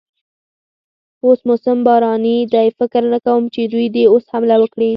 اوس موسم باراني دی، فکر نه کوم چې دوی دې اوس حمله وکړي.